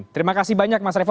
terima kasih banyak mas revo